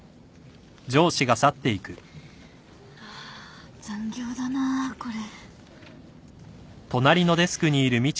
ハァ残業だなこれ。